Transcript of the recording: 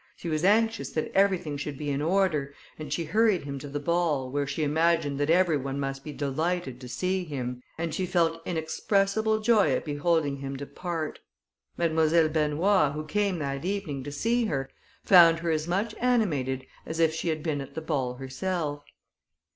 She was anxious that everything should be in order, and she hurried him to the ball, where she imagined that every one must be delighted to see him, and she felt inexpressible joy at beholding him depart. Mademoiselle Benoît, who came that evening to see her, found her as much animated as if she had been at the ball herself.